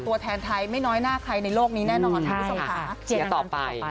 ตัวแทนไทยไม่น้อยหน้าใครในโลกนี้แน่นอนคุณผู้ชมค่ะ